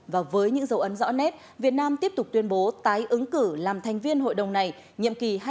và với những dấu ấn rõ nét việt nam tiếp tục tuyên bố tái ứng cử làm thành viên hội đồng này nhiệm kỳ hai nghìn hai mươi hai nghìn hai mươi năm